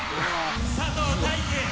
佐藤大樹！